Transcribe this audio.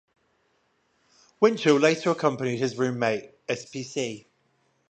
Winchell later accompanied his roommate, Spc.